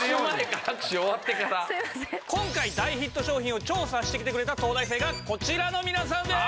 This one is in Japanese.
今回大ヒット商品を調査してきてくれた東大生がこちらの皆さんです！